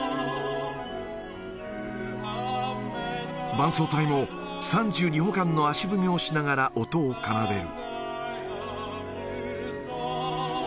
伴奏隊も、３２歩間の足踏みをしながら音を奏でる。